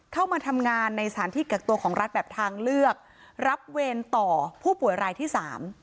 เข้ามาทำงานในสถานที่กักตัวของรัฐแบบทางเลือกรับเวรต่อผู้ป่วยรายที่สาม